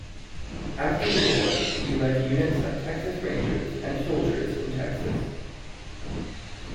After the war, he led units of Texas Rangers and soldiers in Texas.